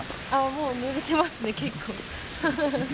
もうぬれてますね、結構。